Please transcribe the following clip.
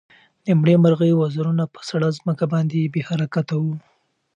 د مړې مرغۍ وزرونه په سړه ځمکه باندې بې حرکته وو.